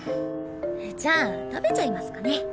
じゃあ食べちゃいますかね？